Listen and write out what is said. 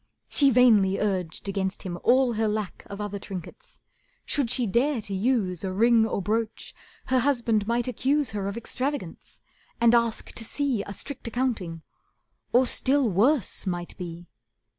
She vainly urged against him all her lack Of other trinkets. Should she dare to use A ring or brooch her husband might accuse Her of extravagance, and ask to see A strict accounting, or still worse might be.